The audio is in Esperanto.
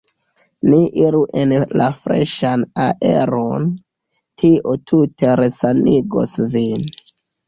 Ni iru en la freŝan aeron, tio tute resanigos vin.